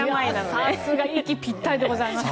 息ぴったりでございます。